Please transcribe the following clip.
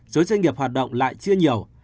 số doanh nghiệp hoạt động lại chưa nhiều